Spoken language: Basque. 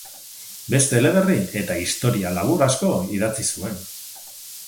Beste eleberri eta historia labur asko idatzi zuen.